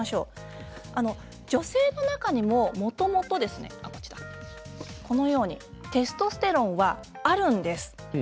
女性の中にももともとテストステロンがあるんです。